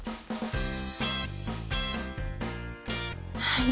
はい。